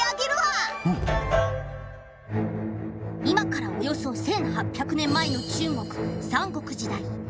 今からおよそ１，８００年前の中国三国時代。